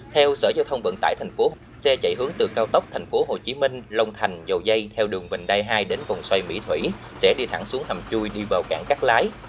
theo sở giao thông vận tải tp hcm xe chạy hướng từ cao tốc tp hcm long thành dầu dây theo đường vành đai hai đến vòng xoay mỹ thủy sẽ đi thẳng xuống hầm chui đi vào cảng cắt lái